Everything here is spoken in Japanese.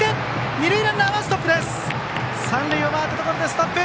二塁ランナーは三塁を回ったところでストップ。